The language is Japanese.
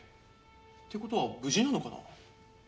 って事は無事なのかな？